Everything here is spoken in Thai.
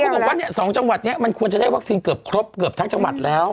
บอกว่าเนี่ย๒จังหวัดนี้มันควรจะได้วัคซีนเกือบครบเกือบทั้งจังหวัดแล้ว